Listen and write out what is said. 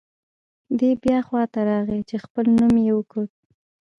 دی بیا خوا ته راغی چې خپل نوم یې وکوت.